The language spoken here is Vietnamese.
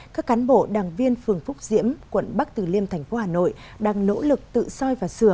các cán bộ đảng viên phường phúc diễm quận bắc từ liêm thành phố hà nội đang nỗ lực tự soi và sửa